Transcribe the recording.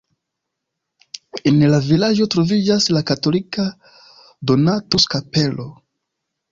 En la vilaĝo troviĝas la katolika Donatus-kapelo.